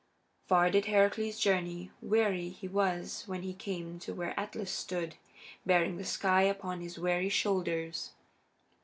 Far did Heracles journey; weary he was when he came to where Atlas stood, bearing the sky upon his weary shoulders.